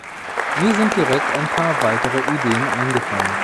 Mir sind direkt ein paar weitere Ideen eingefallen.